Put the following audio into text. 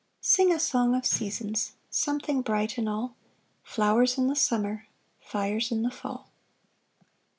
Sing a song of seasons! Something bright in all! Flowers in the summer, Fires in the fall!